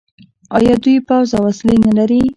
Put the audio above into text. آیا دوی پوځ او وسلې نلري؟